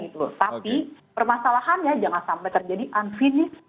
tapi permasalahannya jangan sampai terjadi unfinish